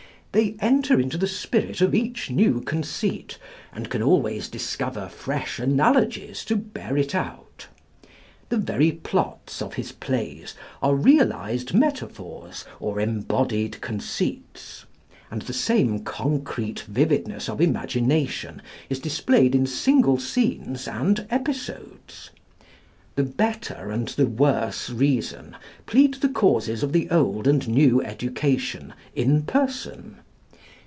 They enter into the spirit of each new conceit, and can always discover fresh analogies to bear it out. The very plots of his plays are realized metaphors or embodied conceits. And the same concrete vividness of imagination is displayed in single scenes and episodes. The Better and the Worse Reason plead the causes of the old and new education in person.